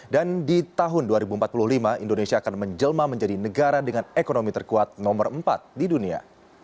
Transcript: di tahun dua ribu empat puluh lima indonesia akan menjelma menjadi negara dengan ekonomi terkuat nomor empat di dunia